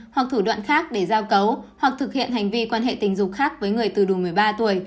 hoặc thủ đoạn khác để giao cấu hoặc thực hiện hành vi quan hệ tình dục khác với người từ đủ một mươi ba tuổi